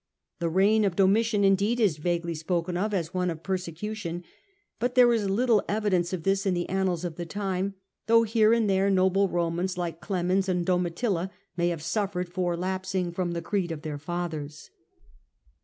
The reign of Domitian, indeed, is vaguely spoken of as one of persecu tion; but there is little evidence of this in the annals of the time, though here and there noble Romans, like Clemens and Domitilla, may have suffered for lapsing from the* creed of their fathers.